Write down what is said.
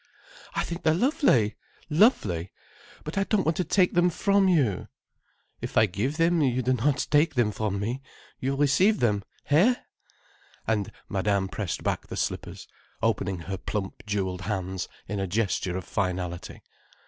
"I think they're lovely, lovely! But I don't want to take them from you—" "If I give them, you do not take them from me. You receive them. Hé?" And Madame pressed back the slippers, opening her plump jewelled hands in a gesture of finality.